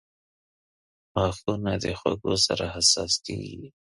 • غاښونه د خوږو سره حساس کیږي.